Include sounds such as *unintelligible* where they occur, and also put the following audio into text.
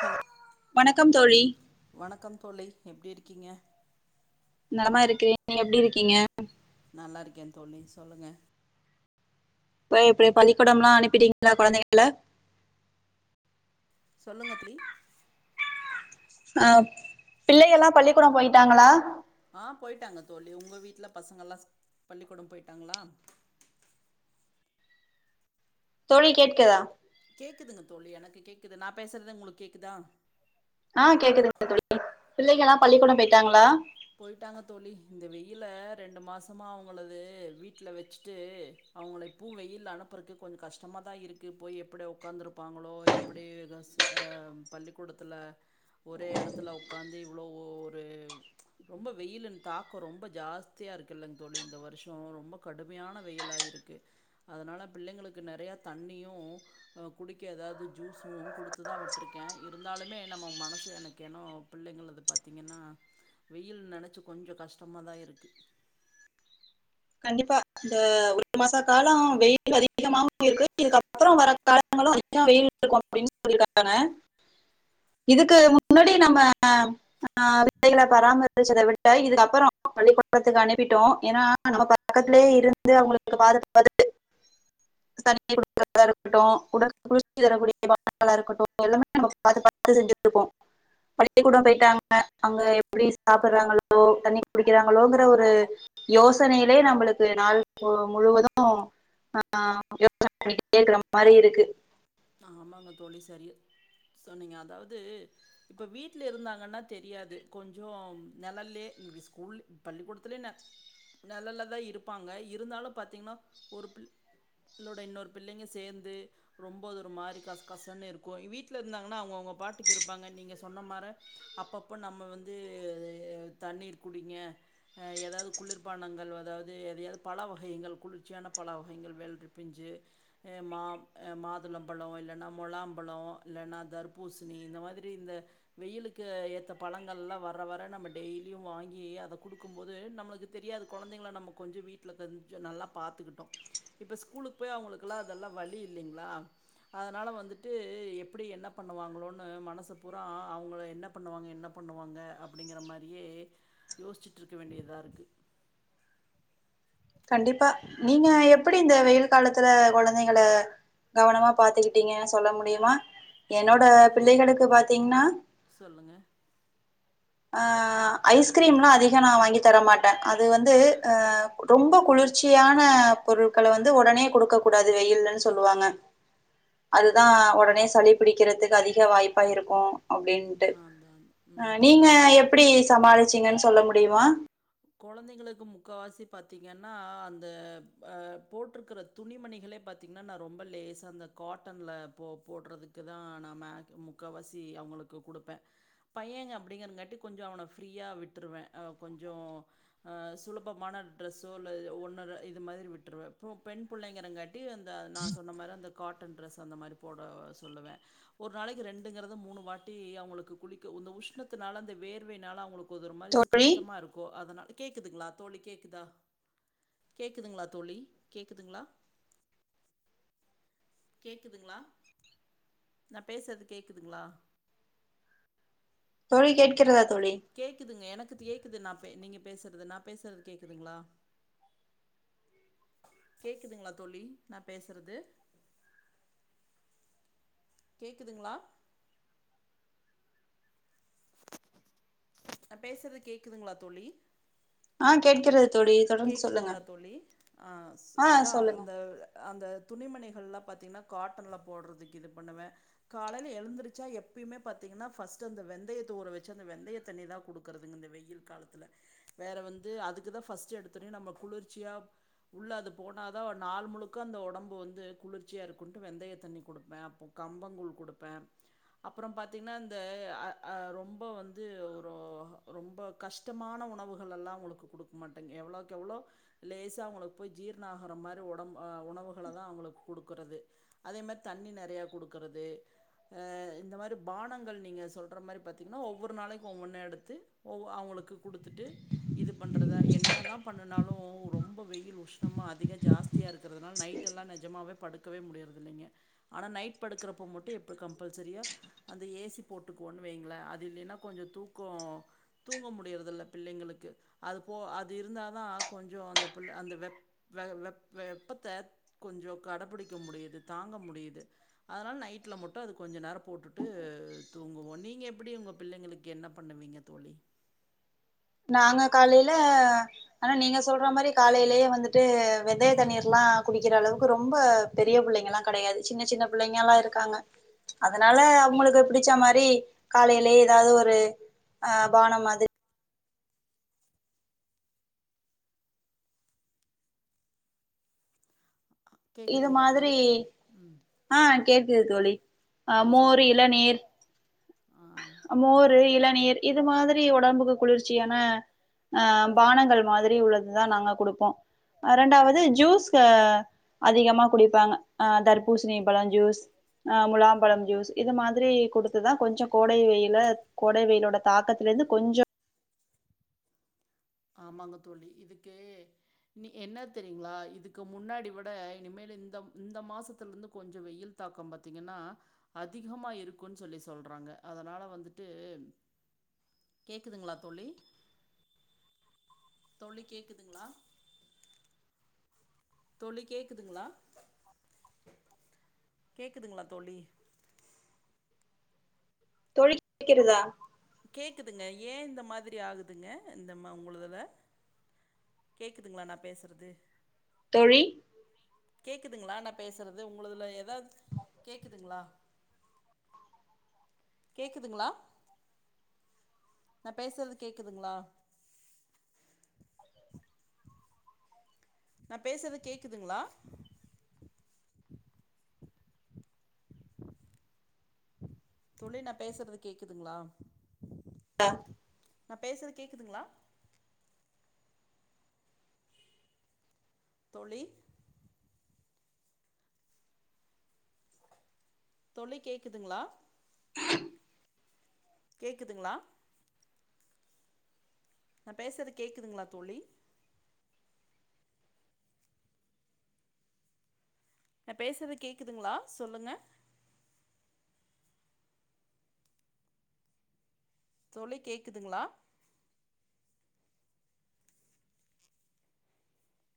Hello வணக்கம் தோழி வணக்கம் தோழி எப்டி இருக்கீங்க நலமா இருக்கிறேன் நீங்க எப்டி இருக்கீங்க நல்லா இருக்கே தோழி சொல்லுங்க இப்பவே இப்பயே பள்ளிக்கொடம்ல்லா அனுப்பிட்டீங்களா கொழந்தைங்கள சொல்லுங்க தோழி அ பிள்ளைகல்லா பள்ளிக்கொடம் போயிட்டாங்களா அ போயிட்டாங்க தோழி உங்க வீட்டுல பசங்கல்லா ஸ்க் பள்ளிக்கொடம் போயிட்டாங்களா *inaudible* *inaudible* தோழி கேட்கதா கேக்குதுங்க தோழி எனக்கு கேக்குது நா பேசுறது உங்களுக்கு கேக்குதா அ கேக்குதுங்க தோழி பிள்ளைகெல்லா பள்ளிக்கொடம் போயிட்டாங்களா போயிட்டாங்க தோழி இந்த வெயில ரெண்டு மாசமா அவுங்களது வீட்டுல வெச்சிட்டு அவங்கள இப்பவு வெயில அனுப்புறக்கு கொஞ்சோ கஷ்டமாதா இருக்கு போய் எப்படி ஒட்காந்துருப்பாங்களோ எப்படி அ பள்ளிக்கூடத்துல ஒரே எடத்துல உகாந்து இவ்ளோ ஒரு ரொம்ப வெயிலான் தாக்கோ ரொம்ப ஜாஸ்தியா இருக்குல்லங் தோழி இந்த வருஷோ ரொம்ப கடுமையான வெயிலா இருக்கு அதனால பிள்ளைங்களுக்கு நெறைய தண்ணியு குடிக்க ஏதாவது ஜூஸு குடுத்துதா விட்ருக்கே இருந்தாலுமே நம்ம மனசு எனக்கு ஏனோ பிள்ளைங்களது பாத்தீங்கன்னா வெயில் நெனச்சி கொஞ்சோ கஷ்டமா தா இருக்கு கண்டிப்பா இந்த ஒரு மாச காலோ வெயில் அதிகமாவு இருக்கு இதுக்கப்புறோ வர காலங்களு அதிகமா இன்னோ வெயில் இருக்கோ அப்டின்னு சொல்லிருக்காங்கங்க இதுக்கு முன்னாடி நம்ம ஆ விதைகள பராமரிச்சத விட இதுக்கப்புறோ பள்ளிக்கொடத்துக்கு அனுப்பிட்டோ ஏன்னா நம்ம பக்கத்துலயே இருந்து அவுங்குளுக்கு பாதுகாப்பது உ ஸ்தண்ணி குடுக்கறதா இருக்கட்டோ உடற் குளிர்ச்சி தரக்கூடிய *unintelligible* இருக்கட்டோ எல்லாமே நம்ம பாத்து பாத்து செஞ்சுட் இருப்போ பள்ளிக்கூடோ போயிட்டாங்க அங்க எப்புடி சாப்பிடுறாங்களோ தண்ணி குடிக்கிறாங்களோங்கிற ஒரு யோசனையிலே நம்மளுக்கு நாள் போ முழுவதோ ஆ யோசன பண்ணிக்குட்டே இருக்குற மாரி இருக்கு ஆமாங்க தோழி சரியா சொன்னீங்க அதாவது இப்போ வீட்ல இருந்தாங்கன்னா தெரியாது கொஞ்சோ நெலல்யே இப்டி ஸ்கூல்யே பள்ளிக்கூடத்துலயே நெ நெலல்லதா இருப்பாங்க இருந்தாலு பாத்தீங்கன்னா ஒரு பிள் ளோட இன்னொரு பிள்ளைங்க சேந்து ரொம் போது ஒரு மாரி கச கசனு இருக்கோ வீட்ல இருந்தாங்கன்னா அவுங்கவுங்க பாட்டுக்கு இருப்பாங்க நீங்க சொன்ன மாரி அப்ப அப்போ நம்ம வந்து தண்ணீர் குடிங்க ஏதாவது குளிர்பானங்கள் அதாவது எதாயவது பழ வகைகள் குளிர்ச்சியான பழ வகைகள் வெள்ரி பிஞ்சு எ மா எ மாது ளம்பழம் இல்லன்னா மொளாம்பழம் இல்லன்னா தர்பூசுணி இந்த மாதிரி இந்த வெயிலுக்கு ஏத் த பழங்கள்லா வர வர நம்ம டெய்லியும் வாங்கி அத குடுக்கும் போது நம்முளுக்கு தெரியாது கொழந்தைங்கள நம்ப கொ ஞ்ச வீட்ல கொஞ்ச நல்லா பாத்துக்கிட்டோ இப்போ ஸ்கூலுக்கு போய் அவுங்குளுக்குலா அதெல்லா வழி இல்லைங்களா அதனால வந்துட்டு எப்புடி என்ன பண்ணுவாங்களோனு மனசு பூறா அவுங்கள என்ன பண்ணுவாங்க என் ன பண்ணுவாங்க அப்புடிங்கற மாரியே யோசிச்சுட்டுருக்க வேண்டியதா இருக்கு *unintelligible* கண்டிப்பா நீங்க எப்புடி இந்த வெயில் காலத்துல கொழந்தைங்கல கவனமா பாத்துக்கிட்டீங்க சொல்ல முடியுமா என்னோட அதாவது பிள்ளைகளுக்கு பாத்தீங்கன்னா சொல்லுங்க ஆ ஐஸ்கிரீம்லா அதிகோ நா வாங்கி தர மாட்டே அது வந்து ஆ ரொம்ப குளிர்ச்சியான பொருட்கள வந்து உடனே குடுக்க கூடாது வெயிலனு சொல்லுவாங்க அதுதா ஒடனே சளி பிடிக்கிறதுக்கு அதிக வாய்ப்பா இருக்கோ அப்டீன்ட்டு அதான் அதான் அ ம் நீங்க அதான் அதான் எப்பிடி அதான் சமாளிச்சீங்கனு சொல்ல முடியுமா கொழந்தைங்களுக்கு முக்கவாசி பார்த்தீங்கன்னா அந்த அ போட்ருக்குற துணிமணிகள் இதுவே பாத்தீங்கன்னா நா ரொம்ப லேசா அந்த காட்டன்ல போ போடுறதுக்கு தா நா மேகி முக்காவாசி அவுங்குளுக்கு குடுப்ப பையங்க அப்டீங்கறங்காட்டி கொஞ்சோ அவன ஃப்ரீயா விட்டுருவ அ கொஞ்சோ அ சுலபமான டிரெஸோ இல்லது ஒன்ன ரெ இது மாதிரி விட்டுருவ அப்ரோ பெண் புள்ளைங்கறங்காட்டி இது அந்த நா சொன்ன மாரி அந்த காட்டன் டிரெஸ் அந்த மாரி போட சொல்லுவே ஒரு நாளைக்கு ரெண்டுங்கிறது மூணு வாட்டி அவுங்குளுக்கு குளிக்க இந்த உஷ்ணத்துனால வேர்வைனால அவுங்குளுக்கு இது ஒரு தோழி கஷ்டமா இருக்கோ அதனால கேக்குதுங்களா தோழி கேக்குதா கேக்குதுங்களா தோழி கேக்குதுங்களா கேக்குதுங்களா நா பேசறது கேக்குதுங்களா தோழி கேட்கிறதா தோழி கேக்குதுங்க எனக் கு கேக்குது நா நீங்க பேசுறது நா பேசுறது கேக்குதுங்களா கேக்குதுங்களா தோழி நா பேசுறது கேக்குதுங்களா நா பேசுறது கேக்குதுங்களா தோழி ஆ கேட்கிறது தோழி தொடர்ந்து சொல்லுங்க கேக்குதுங்களா தோழி ஆ ஸ் ஆ அதா சொல்லுங்க அந்த அந்த துணிமணி நல்லா பாத்தீங்கன்னா காட்டன்ல போடுறதுக்கு இது பண்ணுவ காலைல எழுந்திருச்சா எப்பயுமே பாத்தீங்கன்னா பஸ்ட் டு அந்த வெந்தயத்த ஊற வெச்சு அந்த வெந்தய தண்ணிய தா குடுக்குறதுங்க இந்த வெயில் காலத்துல வேற வந்து அதுக்குதா ஃபஸ்ட் எடுத்து நம்ம குளிர்ச்சியா உள்ள அது போனாதா நாள் முழுக்க அந்த உடம்பு வந்து குளிர்ச்சியா கொன்ட்டு வெந்தய தண்ணி கொடுப்பே அப்போறொ கம்பங்கூல் கொடுப்பே அப்றோ பாத்தீங்கன்னா இந்த ஆ ஆ ரொம்ப வந்து ஒரு ரொம்ப கஷ்டமான உணவுகள் எல்லா அவுங்களுக்கு குடுக்க மாட்டே எவ்ளோக் எவ்வளோ லேசா அவுங்களுக்கு போய் ஜீர்ண ஆகுர மாரி ஒடம்பு உணவுகள தா அவுங்களுக்கு குடுக்க அதே மாரி தண்ணி நெறயா கொடுக்கறது இந்த மாரி பானங்கள் நீங்க சொல்ற மாரி பாத்தீங்கன்னா ஒவ்வொரு நாளைக்கு ஒவ்வொன்னு எடுத்து அவ் ங்க்கு குடுத்துட்டு இது பண்றதா என் என்ன தா பண்ணனாலு ரொம்ப வெயில் உஷ்ணமா அதிக ஜாஸ்தியா இருக்கிறதுனால நைட்லா நெஜமாவே படுக் ங்கவே முடியறத இல்லைங்க ஆனா நைட் படுக்கிறப்ப மட்டும எப்ப கம்பல்சரியா அந்த ஏ சி போட்டுக்கோ ங்கள அது இல்லைன்னா கொஞ்சோ தூக்கோ தூங்க முடியறதில்ல பிள்ளைங்களுக்கு அது போ அது இருந்தாதா கொஞ்சோ அந்த புள்ள அந்த வெ வெ வெப்பத்தை கொஞ்சோ கடபிடிக்க முடியுது தாங்க முடியுது அதனால நைட்ல மட்டு அது கொஞ்ச நேரோ போட்டுட்டு தூங்க ஒண்டி நீங்க எப்டி உங்க பிள்ளைங்களுக்கு என்ன பண்ணுவீங்க தோழி நாங்க காலையில ஆனா நீங்க சொல்ற மாரி காலையிலேயே வந்துட்டு வெந்தய தண்ணீர்லா குடிக்கிற அளவுக்கு ரொம்ப பெரிய பிள்ளைங்க எல்லா கிடையாது சின்ன சின்ன பிள்ளைங்கலா இருக்காங்க அதனால அவுங்களுக்கு பிடிச்ச மாரி காலையிலே ஏதாது ஒரு ஆ பானம் மாதிரி இது கேக்குதுங்களா மாரி தோழி? ம். ஆ கேக்குது தோழி ஆ மோரு சொல்லுங்க தோழி. இளநீர் ஆ மோரு இளநீர் இது மாதிரி ஒடம்புக்கு குளிர்ச்சியான ஆ பானங்கள் மாதிரி உள்ளதுதா நாங்க குடுப்போ ரெண்டாவது ஜூஸ்சு ஆ அதிகமா குடிப்பாங்க ஆ தர்பூசணிபழம் ஜூஸ் ஆ முலாம்பழம் ஜூஸ் இது மாதிரி குடுத்துதா கொஞ்சொ கோடை வெயில கோடை வெயிலோட தாக்கத்துல இருந்து கொஞ்சொ ஆமாங்க தோழி இதுக்கெ நீ என்ன தெரியங்களா இதுக்கு முன்னாடி விட இனிமேல் இந்த மாசத்துல இருந்து கொஞ்சோ வெயில் தாக் தாக்கம் பாத்தீங்கன்னா அதிகமா இருக்கும்ன்னு சொல்லி சொல்றாங்க அதனால வந்துட்டு கேக்குதுங்களா தோழி தோழி கேக்குதுங்களா தோழி கேக்குதுங்களா கேக்குதுங்களா தோழி தோழி கேக்கிறதா கேட்க்குதுங்க ஏன் இந்த மாதிரி ஆகுதுங்க இந்த மா உங்களுதுல கேக்குதுங்களா நா பேசுறது தோழி கேக்குதுங்களா நா பேசுறது உங்களதுல ஏதாது கேக்குதுங்களா கேக்குதுங்களா நா பேசுறது கேக்குதுங்களா நா பேசுறது கேக்குதுங்களா தொழி நா பேசுறது கேக்குதுங்களா நா பேசுறது கேக்குதுங்களா தோழி தொழி கேக்குதுங்களா கேக்குதுங்களா நா பேசுறது கேக்குதுங்களா தோழி நா பேசுறது கேக்குதுங்களா சொல்லுங்க தொழி கேக்குதுங்களா